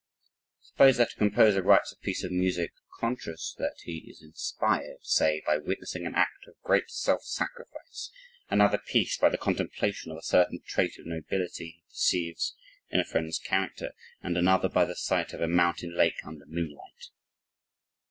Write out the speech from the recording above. Suppose that a composer writes a piece of music conscious that he is inspired, say, by witnessing an act of great self sacrifice another piece by the contemplation of a certain trait of nobility he perceives in a friend's character and another by the sight of a mountain lake under moonlight.